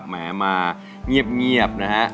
แหมมาเงียบ